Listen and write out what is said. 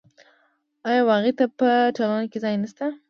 آیا باغي ته په ټولنه کې ځای نشته؟